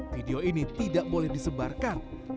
video ini tidak boleh disebarkan